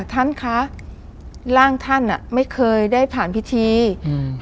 ท่านคะร่างท่านอ่ะไม่เคยได้ผ่านพิธีอืม